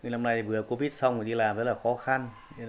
lâm nay vừa covid xong thì đi làm rất là khó khăn